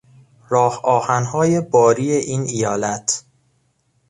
راه آهنهای باری این ایالت